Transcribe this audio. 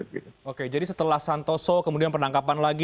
pasantoso kemudian penangkapan lagi